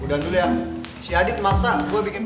udah dulu ya si adit maksa gue bikin